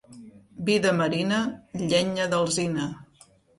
Vi de marina, llenya d'alzina.